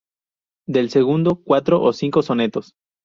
Del segundo cuatro o cinco sonetos.